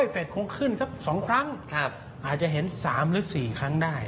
เฟสคงขึ้นสัก๒ครั้งอาจจะเห็น๓หรือ๔ครั้งได้